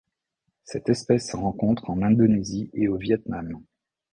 Cette espèce se rencontre en Indonésie et au Viêt Nam.